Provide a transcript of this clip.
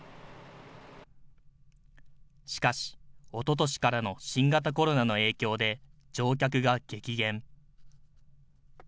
しかし、おととしからの新型コロナの影響で、乗客が激減。